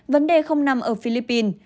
vấn đề không nằm ở philippines